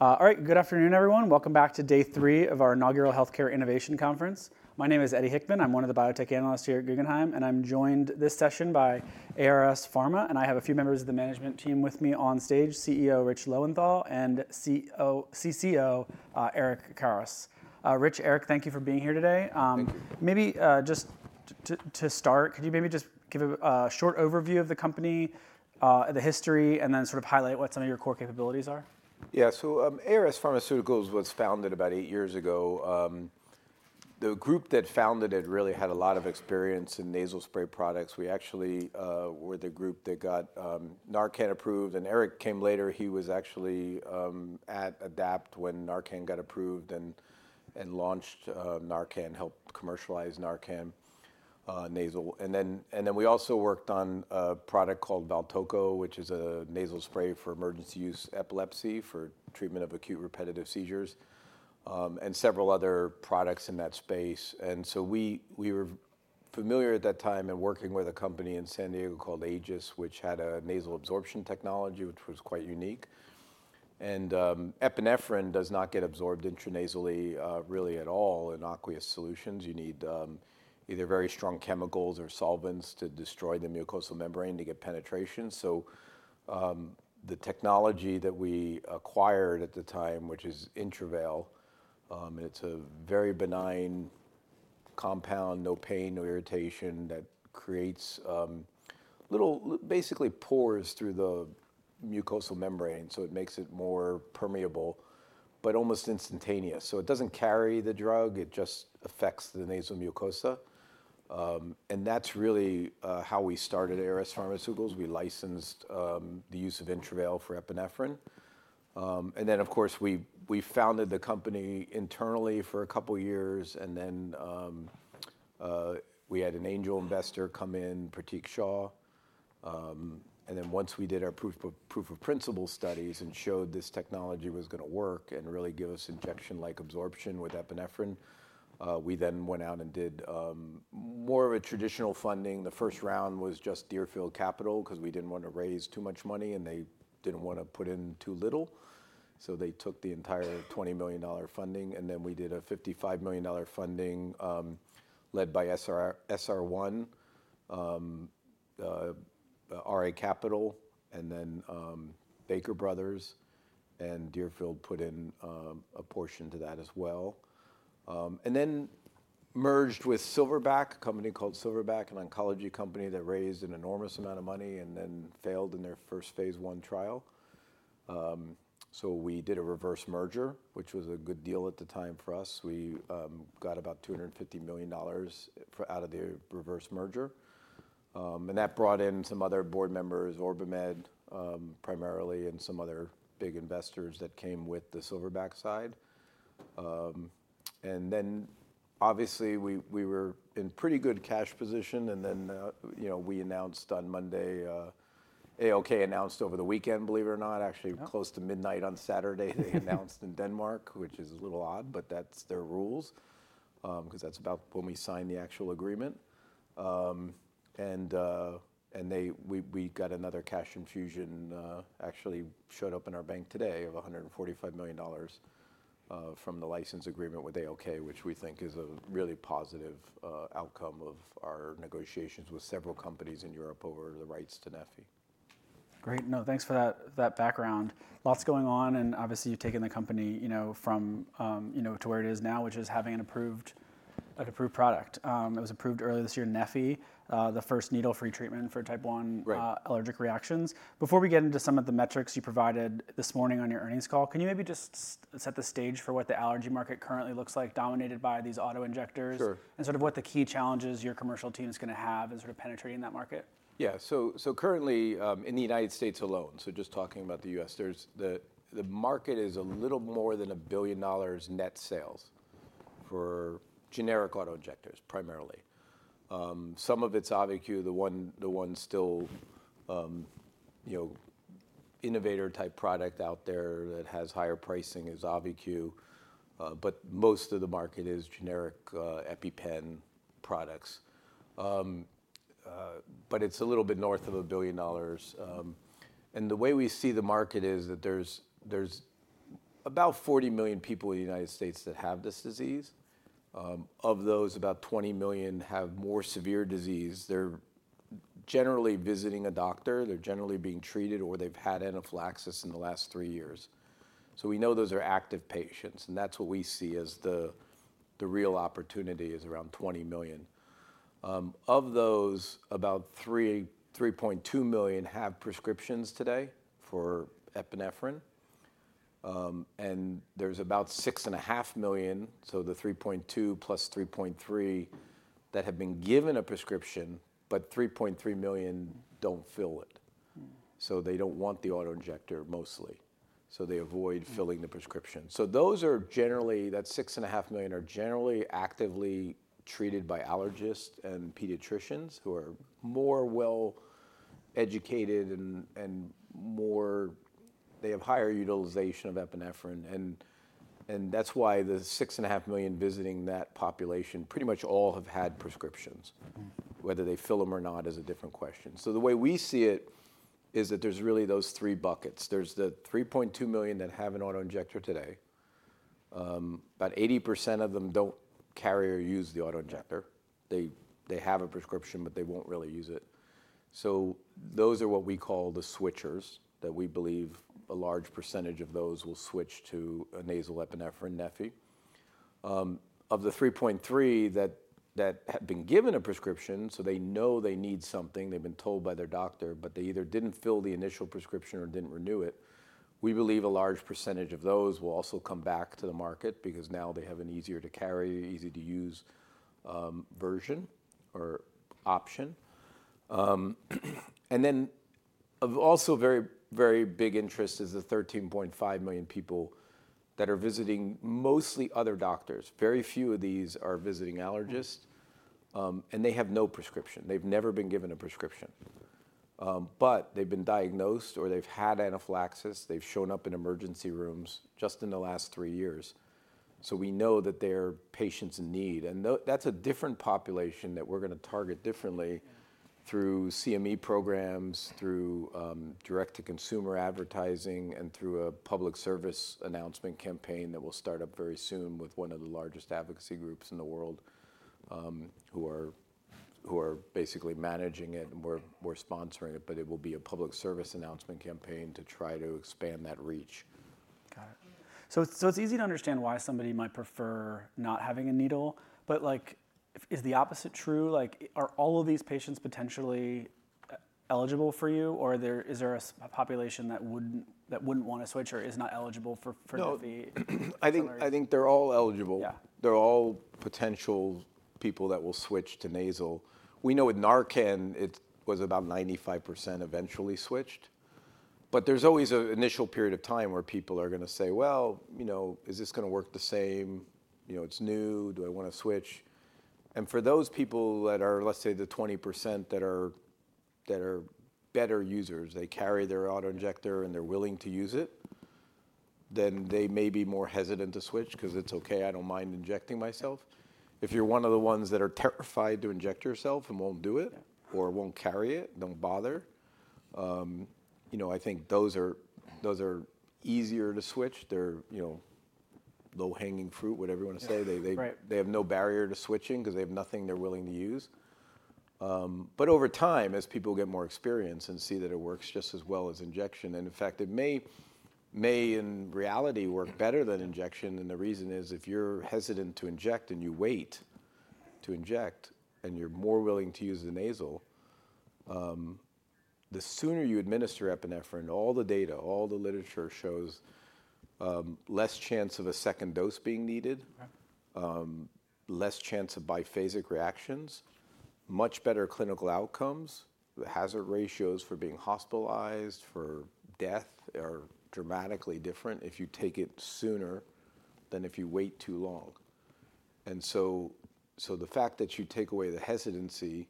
All right, good afternoon, everyone. Welcome back to day three of our inaugural Healthcare Innovation Conference. My name is Eddie Hickman. I'm one of the biotech analysts here at Guggenheim, and I'm joined this session by ARS Pharma. And I have a few members of the management team with me on stage: CEO Rich Lowenthal and CCO Eric Karas. Rich, Eric, thank you for being here today. Thank you. Maybe just to start, could you maybe just give a short overview of the company, the history, and then sort of highlight what some of your core capabilities are? Yeah, so ARS Pharmaceuticals was founded about eight years ago. The group that founded it really had a lot of experience in nasal spray products. We actually were the group that got Narcan approved. And Eric came later. He was actually at Adapt Pharma when Narcan got approved and launched Narcan, helped commercialize Narcan nasal. And then we also worked on a product called Valtoco, which is a nasal spray for emergency use epilepsy for treatment of acute repetitive seizures, and several other products in that space. And so we were familiar at that time and working with a company in San Diego called Aegis, which had a nasal absorption technology, which was quite unique. And epinephrine does not get absorbed intranasally really at all in aqueous solutions. You need either very strong chemicals or solvents to destroy the mucosal membrane to get penetration. So the technology that we acquired at the time, which is Intravail, it's a very benign compound, no pain, no irritation, that creates little basically pores through the mucosal membrane. So it makes it more permeable, but almost instantaneous. So it doesn't carry the drug. It just affects the nasal mucosa. And that's really how we started ARS Pharmaceuticals. We licensed the use of Intravail for epinephrine. And then, of course, we founded the company internally for a couple of years. And then we had an angel investor come in, Pratik Shah. And then once we did our proof of principle studies and showed this technology was going to work and really give us injection-like absorption with epinephrine, we then went out and did more of a traditional funding. The first round was just Deerfield Management because we didn't want to raise too much money, and they didn't want to put in too little. So they took the entire $20 million funding. And then we did a $55 million funding led by SR One, RA Capital Management, and then Baker Bros. Advisors. And Deerfield Management put in a portion to that as well. And then merged with Silverback Therapeutics, a company called Silverback Therapeutics, an oncology company that raised an enormous amount of money and then failed in their first phase one trial. So we did a reverse merger, which was a good deal at the time for us. We got about $250 million out of the reverse merger. And that brought in some other board members, OrbiMed primarily, and some other big investors that came with the Silverback Therapeutics side. And then, obviously, we were in pretty good cash position. And then we announced on Monday, ALK announced over the weekend, believe it or not, actually close to midnight on Saturday, they announced in Denmark, which is a little odd, but that's their rules because that's about when we signed the actual agreement. And we got another cash infusion, actually showed up in our bank today of $145 million from the license agreement with ALK, which we think is a really positive outcome of our negotiations with several companies in Europe over the rights to neffy. Great. No, thanks for that background. Lots going on. And obviously, you've taken the company to where it is now, which is having an approved product. It was approved earlier this year, neffy, the first needle-free treatment for Type I allergic reactions. Before we get into some of the metrics you provided this morning on your earnings call, can you maybe just set the stage for what the allergy market currently looks like, dominated by these auto-injectors, and sort of what the key challenges your commercial team is going to have in sort of penetrating that market? Yeah, so currently in the United States alone, so just talking about the U.S., the market is a little more than $1 billion net sales for generic auto-injectors, primarily. Some of it's AUVI-Q, the one still innovator type product out there that has higher pricing is AUVI-Q, but most of the market is generic EpiPen products, but it's a little bit north of $1 billion. And the way we see the market is that there's about 40 million people in the United States that have this disease. Of those, about 20 million have more severe disease. They're generally visiting a doctor. They're generally being treated or they've had anaphylaxis in the last three years. So we know those are active patients. And that's what we see as the real opportunity is around 20 million. Of those, about 3.2 million have prescriptions today for epinephrine. And there's about 6.5 million, so the 3.2 million + 3.3 million that have been given a prescription, but 3.3 million don't fill it. So they don't want the auto injector mostly. So they avoid filling the prescription. So those are generally that 6.5 million are generally actively treated by allergists and pediatricians who are more well-educated and they have higher utilization of epinephrine. And that's why the 6.5 million visiting that population pretty much all have had prescriptions. Whether they fill them or not is a different question. So the way we see it is that there's really those three buckets. There's the 3.2 million that have an auto-injector today. About 80% of them don't carry or use the auto-injector. They have a prescription, but they won't really use it. So those are what we call the switchers that we believe a large percentage of those will switch to a nasal epinephrine neffy. Of the 3.3 million that have been given a prescription, so they know they need something, they've been told by their doctor, but they either didn't fill the initial prescription or didn't renew it. We believe a large percentage of those will also come back to the market because now they have an easier to carry, easy to use version or option. And then, also of very, very big interest is the 13.5 million people that are visiting mostly other doctors. Very few of these are visiting allergists. And they have no prescription. They've never been given a prescription. But they've been diagnosed or they've had anaphylaxis. They've shown up in emergency rooms just in the last three years. So we know that they're patients in need. That's a different population that we're going to target differently through CME programs, through direct-to-consumer advertising, and through a public service announcement campaign that will start up very soon with one of the largest advocacy groups in the world who are basically managing it and we're sponsoring it. It will be a public service announcement campaign to try to expand that reach. Got it. So it's easy to understand why somebody might prefer not having a needle. But is the opposite true? Are all of these patients potentially eligible for you? Or is there a population that wouldn't want to switch or is not eligible for the? I think they're all eligible. They're all potential people that will switch to nasal. We know with Narcan, it was about 95% eventually switched. But there's always an initial period of time where people are going to say, well, is this going to work the same? It's new. Do I want to switch? And for those people that are, let's say, the 20% that are better users, they carry their auto injector and they're willing to use it, then they may be more hesitant to switch because it's okay, I don't mind injecting myself. If you're one of the ones that are terrified to inject yourself and won't do it or won't carry it, don't bother, I think those are easier to switch. They're low-hanging fruit, whatever you want to say. They have no barrier to switching because they have nothing they're willing to use. But over time, as people get more experience and see that it works just as well as injection, and in fact, it may in reality work better than injection, and the reason is if you're hesitant to inject and you wait to inject and you're more willing to use the nasal, the sooner you administer epinephrine, all the data, all the literature shows less chance of a second dose being needed, less chance of biphasic reactions, much better clinical outcomes. The hazard ratios for being hospitalized, for death are dramatically different if you take it sooner than if you wait too long, and so the fact that you take away the hesitancy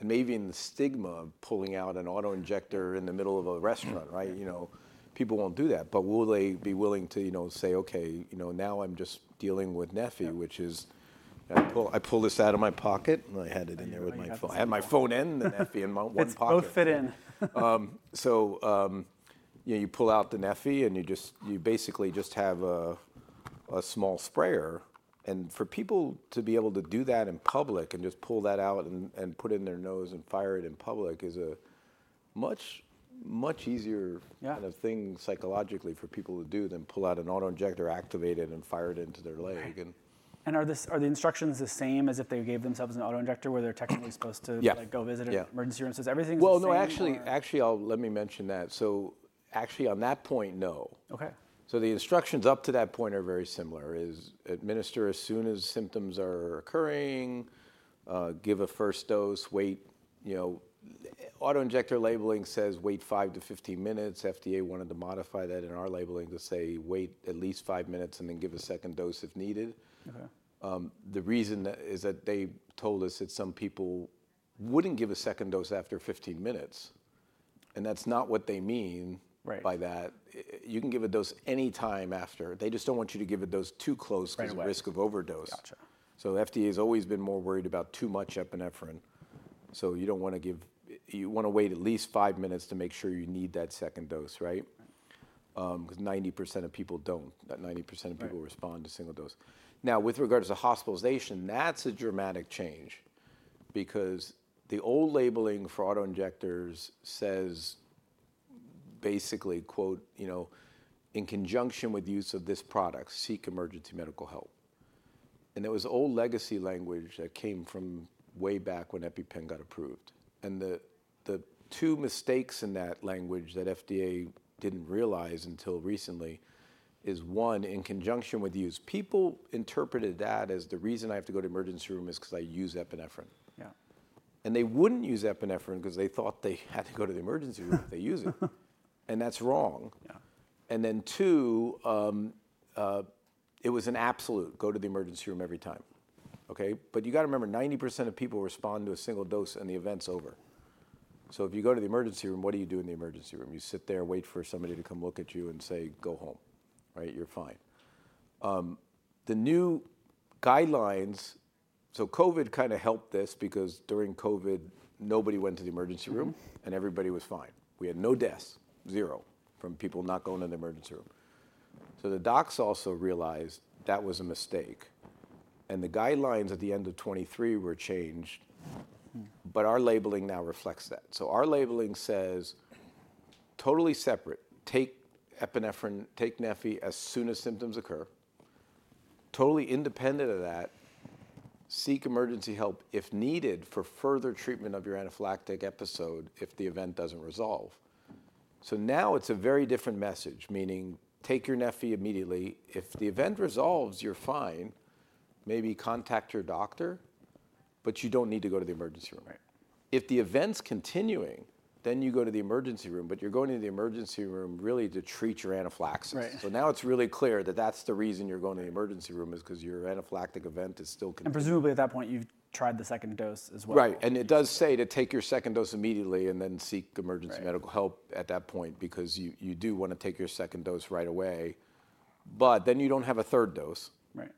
and maybe the stigma of pulling out an auto-injector in the middle of a restaurant, right? People won't do that. But will they be willing to say, okay, now I'm just dealing with neffy, which is I pull this out of my pocket and I had it in there with my phone. I had my phone and the neffy in one pocket. Both fit in. You pull out the neffy and you basically just have a small sprayer. For people to be able to do that in public and just pull that out and put it in their nose and fire it in public is a much, much easier kind of thing psychologically for people to do than pull out an auto-injector, activate it, and fire it into their leg. Are the instructions the same as if they gave themselves an auto-injector where they're technically supposed to go visit an emergency room? Is everything the same? No, actually, let me mention that. Actually on that point, no. The instructions up to that point are very similar. Administer as soon as symptoms are occurring, give a first dose, wait. Auto-injector labeling says wait five to 15 minutes. The FDA wanted to modify that in our labeling to say wait at least five minutes and then give a second dose if needed. The reason is that they told us that some people wouldn't give a second dose after 15 minutes. And that's not what they mean by that. You can give a dose anytime after. They just don't want you to give a dose too close to the risk of overdose. The FDA has always been more worried about too much epinephrine. So you want to wait at least five minutes to make sure you need that second dose, right? Because 90% of people don't. 90% of people respond to single dose. Now, with regards to hospitalization, that's a dramatic change because the old labeling for auto-injectors says basically, “in conjunction with use of this product, seek emergency medical help,” and it was old legacy language that came from way back when EpiPen got approved, and the two mistakes in that language that FDA didn't realize until recently is one, in conjunction with use, people interpreted that as the reason I have to go to the emergency room is because I use epinephrine, and they wouldn't use epinephrine because they thought they had to go to the emergency room if they use it, and that's wrong. And then, too, it was an absolute go to the emergency room every time. Okay? But you got to remember, 90% of people respond to a single dose and the event's over. So if you go to the emergency room, what do you do in the emergency room? You sit there, wait for somebody to come look at you and say, go home, right? You're fine. The new guidelines, so COVID kind of helped this because during COVID, nobody went to the emergency room and everybody was fine. We had no deaths, zero, from people not going to the emergency room. So the docs also realized that was a mistake. And the guidelines at the end of 2023 were changed. But our labeling now reflects that. So our labeling says, totally separate, take epinephrine, take neffy as soon as symptoms occur. Totally independent of that, seek emergency help if needed for further treatment of your anaphylactic episode if the event doesn't resolve. So now it's a very different message, meaning take your neffy immediately. If the event resolves, you're fine. Maybe contact your doctor, but you don't need to go to the emergency room. If the event's continuing, then you go to the emergency room, but you're going to the emergency room really to treat your anaphylaxis. So now it's really clear that that's the reason you're going to the emergency room is because your anaphylactic event is still continuing. Presumably at that point, you've tried the second dose as well. Right. And it does say to take your second dose immediately and then seek emergency medical help at that point because you do want to take your second dose right away. But then you don't have a third dose.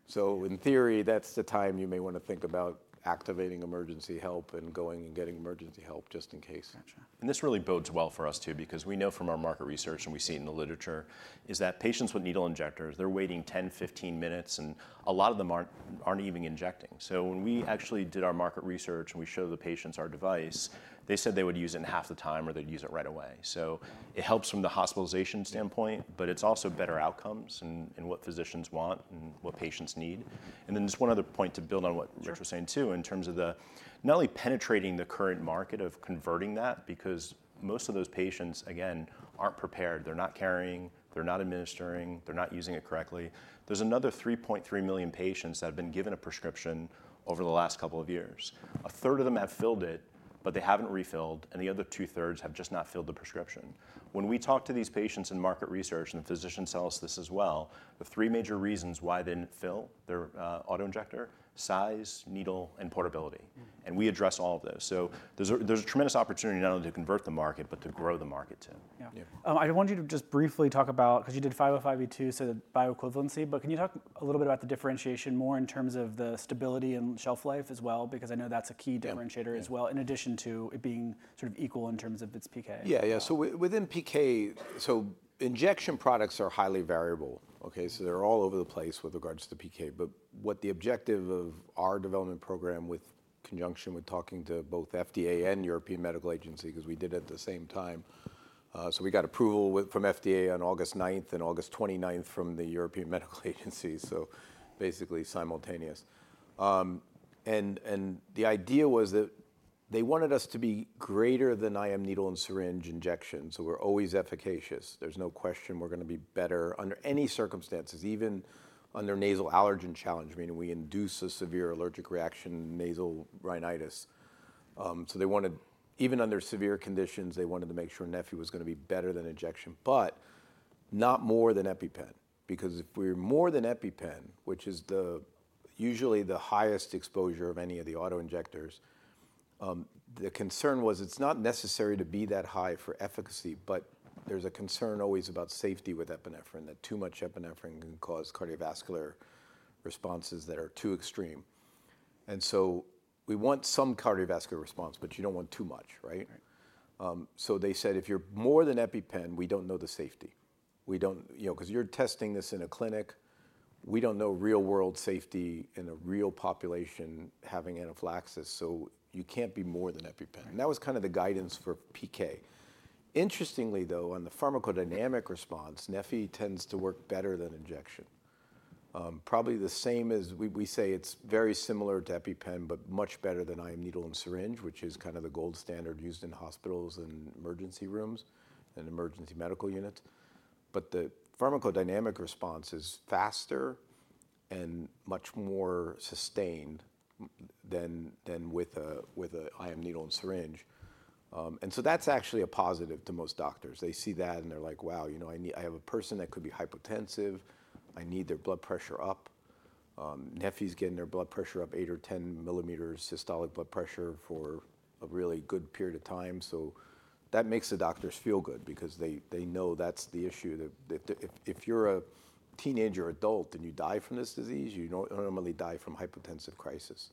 So in theory, that's the time you may want to think about activating emergency help and going and getting emergency help just in case. Gotcha. And this really bodes well for us too because we know from our market research and we see it in the literature is that patients with needle injectors, they're waiting 10-15 minutes and a lot of them aren't even injecting. So when we actually did our market research and we showed the patients our device, they said they would use it in half the time or they'd use it right away. So it helps from the hospitalization standpoint, but it's also better outcomes and what physicians want and what patients need. And then just one other point to build on what Rich was saying too in terms of not only penetrating the current market of converting that because most of those patients, again, aren't prepared. They're not carrying. They're not administering. They're not using it correctly. There's another 3.3 million patients that have been given a prescription over the last couple of years. A third of them have filled it, but they haven't refilled. And the other two-thirds have just not filled the prescription. When we talk to these patients in market research and the physicians tell us this as well, the three major reasons why they didn't fill their auto injector, size, needle, and portability. And we address all of those. So there's a tremendous opportunity not only to convert the market, but to grow the market too. Yeah. I want you to just briefly talk about, because you did 505(b)(2), so the bioequivalence, but can you talk a little bit about the differentiation more in terms of the stability and shelf life as well? Because I know that's a key differentiator as well in addition to it being sort of equal in terms of its PK. Yeah, yeah. So within PK, so injection products are highly variable. Okay? So they're all over the place with regards to the PK. But what the objective of our development program in conjunction with talking to both FDA and European Medicines Agency, because we did it at the same time, so we got approval from FDA on August 9th and August 29th from the European Medicines Agency. So basically simultaneous. And the idea was that they wanted us to be greater than IM needle and syringe injections. So we're always efficacious. There's no question we're going to be better under any circumstances, even under nasal allergen challenge, meaning we induce a severe allergic reaction, nasal rhinitis. So they wanted, even under severe conditions, they wanted to make sure neffy was going to be better than injection, but not more than EpiPen. Because if we're more than EpiPen, which is usually the highest exposure of any of the auto-injectors, the concern was it's not necessary to be that high for efficacy, but there's a concern always about safety with epinephrine that too much epinephrine can cause cardiovascular responses that are too extreme. And so we want some cardiovascular response, but you don't want too much, right? So they said if you're more than EpiPen, we don't know the safety. Because you're testing this in a clinic, we don't know real-world safety in a real population having anaphylaxis. So you can't be more than EpiPen. And that was kind of the guidance for PK. Interestingly though, on the pharmacodynamic response, neffy tends to work better than injection. Probably the same as we say it's very similar to EpiPen, but much better than IM needle and syringe, which is kind of the gold standard used in hospitals and emergency rooms and emergency medical units. The pharmacodynamic response is faster and much more sustained than with an IM needle and syringe. That's actually a positive to most doctors. They see that and they're like, wow, you know I have a person that could be hypotensive. I need their blood pressure up. neffy's getting their blood pressure up eight or 10 mm systolic blood pressure for a really good period of time. That makes the doctors feel good because they know that's the issue. If you're a teenager or adult and you die from this disease, you normally die from hypotensive crisis.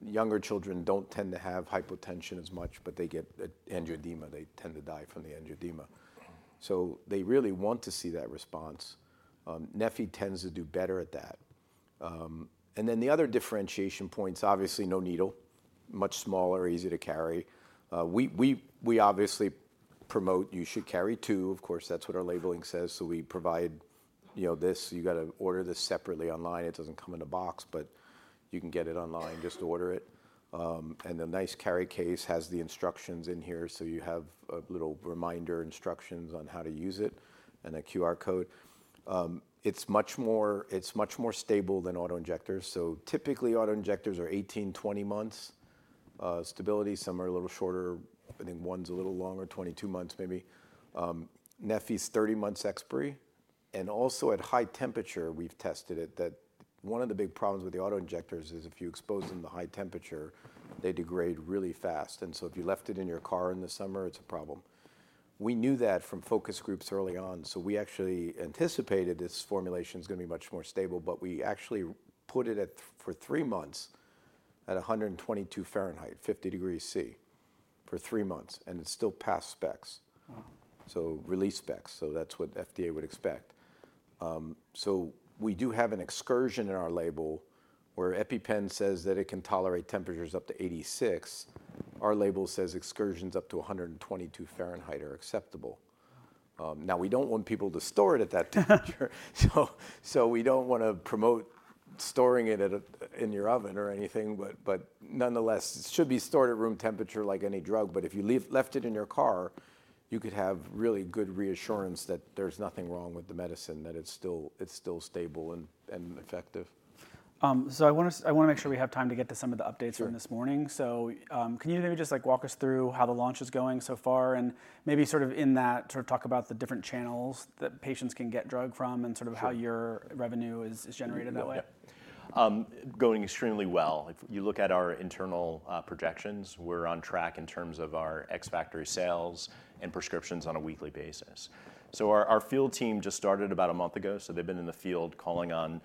Younger children don't tend to have hypotension as much, but they get angioedema. They tend to die from the angioedema, so they really want to see that response. neffy tends to do better at that, and then the other differentiation points, obviously no needle, much smaller, easy to carry. We obviously promote you should carry two. Of course, that's what our labeling says. So we provide this. You got to order this separately online. It doesn't come in a box, but you can get it online. Just order it. And the nice carry case has the instructions in here. So you have a little reminder instructions on how to use it and a QR code. It's much more stable than auto-injectors. So typically auto-injectors are 18 months-20 months stability. Some are a little shorter. I think one's a little longer, 22 months maybe. neffy's 30 months expiry. And also at high temperature, we've tested it that one of the big problems with the auto-injectors is if you expose them to high temperature, they degrade really fast. And so if you left it in your car in the summer, it's a problem. We knew that from focus groups early on. So we actually anticipated this formulation is going to be much more stable, but we actually put it for three months at 122 degrees Fahrenheit, 50 degrees Celsius for three months. And it's still past specs. So release specs. So that's what FDA would expect. So we do have an excursion in our label where EpiPen says that it can tolerate temperatures up to 86 degrees Fahrenheit. Our label says excursions up to 122 degrees Fahrenheit are acceptable. Now, we don't want people to store it at that temperature. So we don't want to promote storing it in your oven or anything. But nonetheless, it should be stored at room temperature like any drug. But if you left it in your car, you could have really good reassurance that there's nothing wrong with the medicine, that it's still stable and effective. I want to make sure we have time to get to some of the updates from this morning. Can you maybe just walk us through how the launch is going so far? Maybe sort of in that, sort of talk about the different channels that patients can get drug from and sort of how your revenue is generated that way. Going extremely well. If you look at our internal projections, we're on track in terms of our ex-factory sales and prescriptions on a weekly basis, so our field team just started about a month ago, so they've been in the field calling on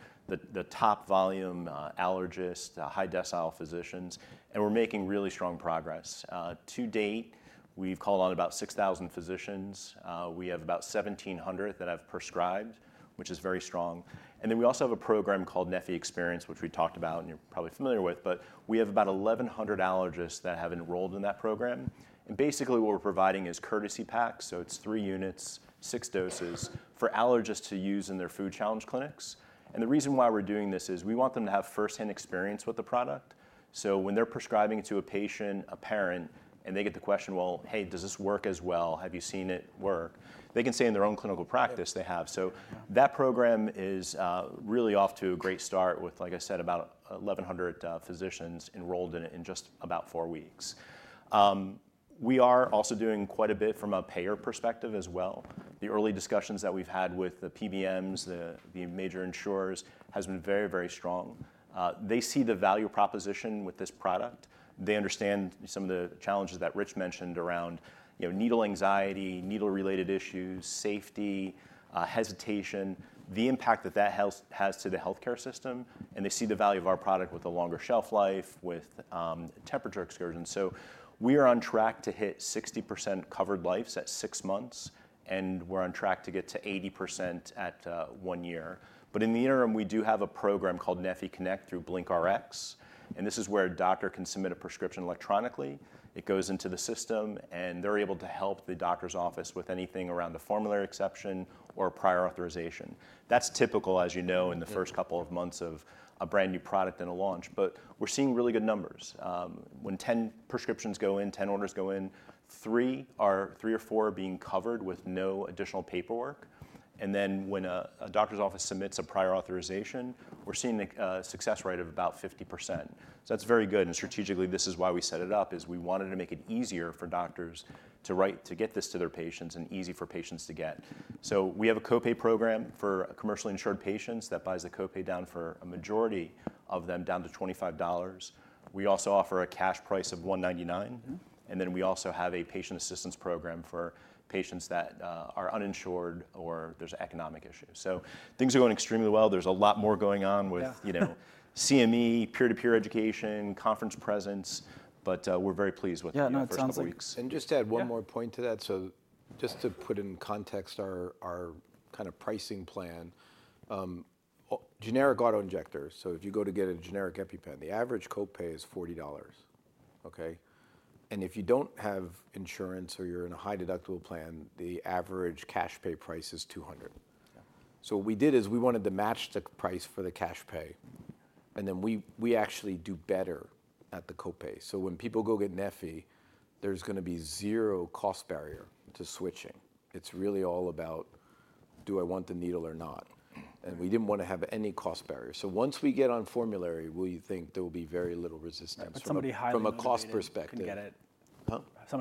the top volume allergists, high decile physicians, and we're making really strong progress. To date, we've called on about 6,000 physicians. We have about 1,700 that have prescribed, which is very strong, and then we also have a program called neffy Experience, which we talked about and you're probably familiar with, but we have about 1,100 allergists that have enrolled in that program, and basically what we're providing is courtesy packs, so it's three units, six doses for allergists to use in their food challenge clinics, and the reason why we're doing this is we want them to have firsthand experience with the product. So when they're prescribing it to a patient, a parent, and they get the question, well, hey, does this work as well? Have you seen it work? They can say in their own clinical practice they have. So that program is really off to a great start with, like I said, about 1,100 physicians enrolled in it in just about four weeks. We are also doing quite a bit from a payer perspective as well. The early discussions that we've had with the PBMs, the major insurers, have been very, very strong. They see the value proposition with this product. They understand some of the challenges that Rich mentioned around needle anxiety, needle-related issues, safety, hesitation, the impact that that has to the healthcare system. And they see the value of our product with a longer shelf life, with temperature excursions. We are on track to hit 60% covered lives at six months. And we're on track to get to 80% at one year. But in the interim, we do have a program called neffy Connect through BlinkRx. And this is where a doctor can submit a prescription electronically. It goes into the system. And they're able to help the doctor's office with anything around the formulary exception or prior authorization. That's typical, as you know, in the first couple of months of a brand new product and a launch. But we're seeing really good numbers. When 10 prescriptions go in, 10 orders go in, three or four are being covered with no additional paperwork. And then when a doctor's office submits a prior authorization, we're seeing a success rate of about 50%. So that's very good. Strategically, this is why we set it up, is we wanted to make it easier for doctors to get this to their patients and easy for patients to get. We have a copay program for commercially insured patients that buys the copay down for a majority of them down to $25. We also offer a cash price of $199. We also have a patient assistance program for patients that are uninsured or there's economic issues. Things are going extremely well. There's a lot more going on with CME, peer-to-peer education, conference presence. We're very pleased with it. Yeah, no, it sounds like weeks. And just to add one more point to that. So just to put in context our kind of pricing plan, generic auto-injectors. So if you go to get a generic EpiPen, the average copay is $40. Okay? And if you don't have insurance or you're in a high deductible plan, the average cash pay price is $200. So what we did is we wanted to match the price for the cash pay. And then we actually do better at the copay. So when people go get neffy, there's going to be zero cost barrier to switching. It's really all about, do I want the needle or not? And we didn't want to have any cost barrier. So once we get on formulary, we think there will be very little resistance from a cost perspective. Somebody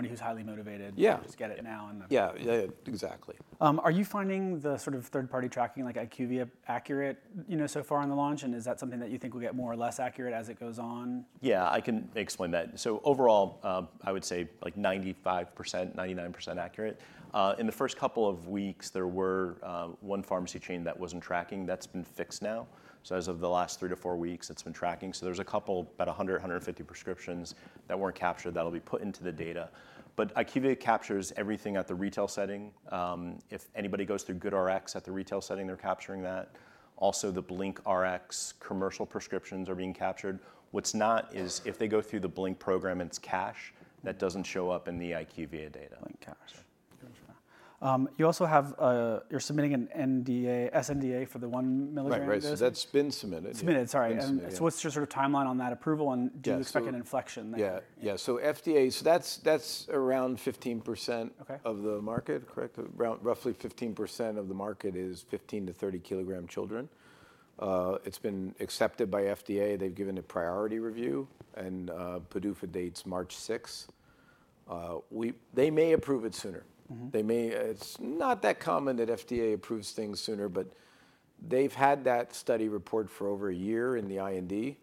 who's highly motivated, just get it now. Yeah, yeah, yeah, exactly. Are you finding the sort of third-party tracking like IQVIA accurate so far on the launch? And is that something that you think will get more or less accurate as it goes on? Yeah, I can explain that. So overall, I would say like 95%, 99% accurate. In the first couple of weeks, there were one pharmacy chain that wasn't tracking. That's been fixed now. So as of the last three to four weeks, it's been tracking. So there's a couple about 100, 150 prescriptions that weren't captured that'll be put into the data. But IQVIA captures everything at the retail setting. If anybody goes through GoodRx at the retail setting, they're capturing that. Also, the BlinkRx commercial prescriptions are being captured. What's not is if they go through the BlinkRx program and it's cash, that doesn't show up in the IQVIA data. BlinkRx. You also have, you're submitting an sNDA for the one milligram dose. Right, right. So that's been submitted. Submitted, sorry. So what's your sort of timeline on that approval? And do you expect an inflection there? Yeah, yeah. So FDA, so that's around 15% of the market, correct? Roughly 15% of the market is 15-30 kilogram children. It's been accepted by FDA. They've given it priority review. And PDUFA dates March 6. They may approve it sooner. It's not that common that FDA approves things sooner, but they've had that study report for over a year in the IND.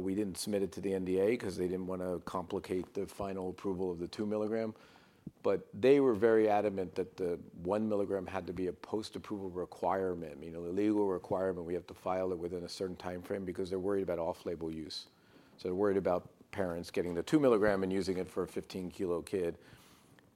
We didn't submit it to the NDA because they didn't want to complicate the final approval of the 2 mg. But they were very adamant that the one milligram had to be a post-approval requirement, a legal requirement. We have to file it within a certain timeframe because they're worried about off-label use. So they're worried about parents getting the 2 mg and using it for a 15-kilogram kid.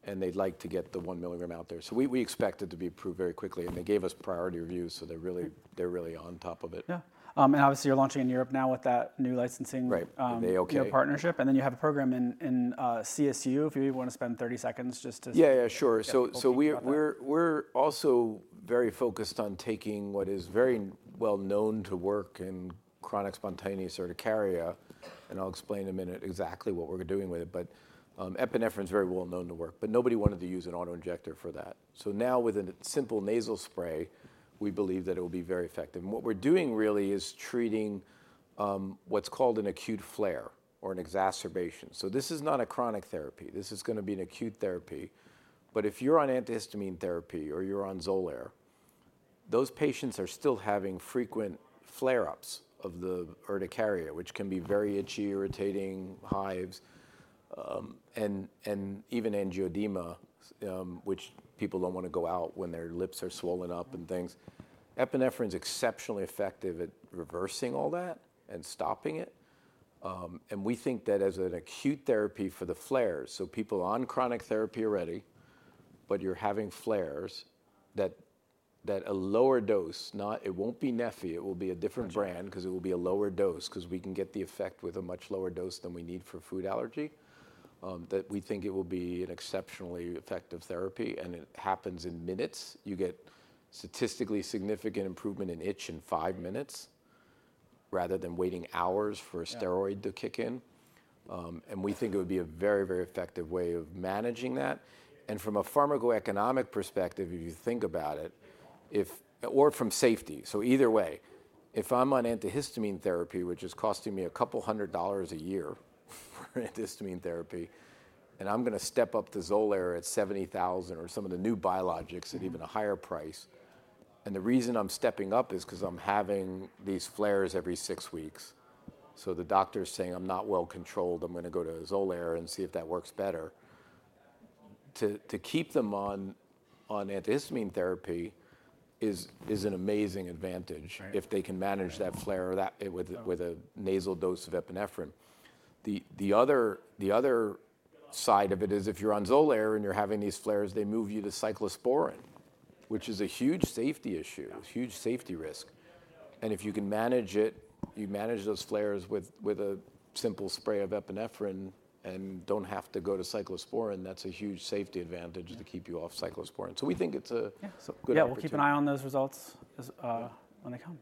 And they'd like to get the 1 mg out there. So we expect it to be approved very quickly. And they gave us priority review. So they're really on top of it. Yeah. And obviously, you're launching in Europe now with that new licensing partnership. And then you have a program in CSU. If you want to spend 30 seconds just to. Yeah, yeah, sure. So we're also very focused on taking what is very well known to work in chronic spontaneous urticaria. And I'll explain in a minute exactly what we're doing with it. But epinephrine is very well known to work. But nobody wanted to use an auto injector for that. So now with a simple nasal spray, we believe that it will be very effective. And what we're doing really is treating what's called an acute flare or an exacerbation. So this is not a chronic therapy. This is going to be an acute therapy. But if you're on antihistamine therapy or you're on Xolair, those patients are still having frequent flare-ups of the urticaria, which can be very itchy, irritating hives, and even angioedema, which people don't want to go out when their lips are swollen up and things. Epinephrine is exceptionally effective at reversing all that and stopping it, and we think that as an acute therapy for the flares, so people on chronic therapy are ready, but you're having flares that a lower dose, it won't be neffy. It will be a different brand because it will be a lower dose because we can get the effect with a much lower dose than we need for food allergy. That we think it will be an exceptionally effective therapy, and it happens in minutes. You get statistically significant improvement in itch in five minutes rather than waiting hours for a steroid to kick in, and we think it would be a very, very effective way of managing that. From a pharmacoeconomic perspective, if you think about it, or from safety, so either way, if I'm on antihistamine therapy, which is costing me a couple hundred dollars a year for antihistamine therapy, and I'm going to step up to Xolair at $70,000 or some of the new biologics at even a higher price. The reason I'm stepping up is because I'm having these flares every six weeks. The doctor's saying, I'm not well controlled. I'm going to go to Xolair and see if that works better. To keep them on antihistamine therapy is an amazing advantage if they can manage that flare with a nasal dose of epinephrine. The other side of it is if you're on Xolair and you're having these flares, they move you to cyclosporine, which is a huge safety issue, a huge safety risk. If you can manage it, you manage those flares with a simple spray of epinephrine and don't have to go to cyclosporine, that's a huge safety advantage to keep you off cyclosporine. We think it's a good approach. Yeah, we'll keep an eye on those results when they come.